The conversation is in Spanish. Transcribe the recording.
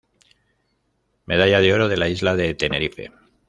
Medalla de Oro de la isla de Tenerife.